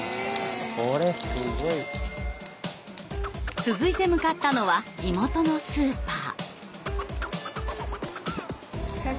これすごい。続いて向かったのは地元のスーパー。